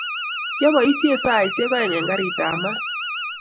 kiapoisien saisiekak ak oeng en garikab maat